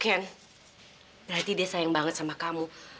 ken berarti dia sayang banget sama kamu